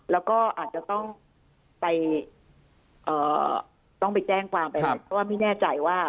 แล้วก็อาจจะต้องไปต้องไปแจ้งความไปเพราะว่าไม่แน่ใจว่า